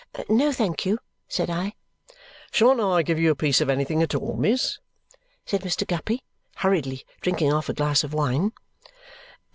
"No, thank you," said I. "Shan't I give you a piece of anything at all, miss?" said Mr. Guppy, hurriedly drinking off a glass of wine.